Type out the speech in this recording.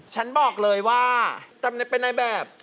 ฉันบอกเลยว่ามันเป็นอะไรแบบ